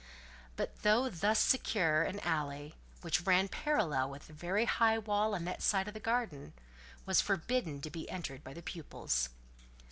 But, though thus secure, an alley, which ran parallel with the very high wall on that side the garden, was forbidden to be entered by the pupils.